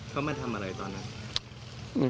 เขามาทำอะไรตอนนั้น